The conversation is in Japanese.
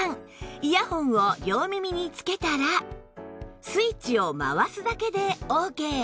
イヤホンを両耳につけたらスイッチを回すだけでオーケー